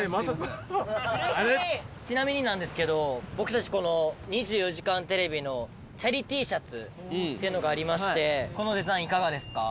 ちなみになんですけど僕たちこの『２４時間テレビ』のチャリＴシャツっていうのがありまして。